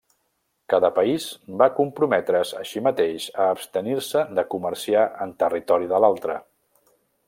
Cada país va comprometre's, així mateix, a abstenir-se de comerciar en territori de l'altre.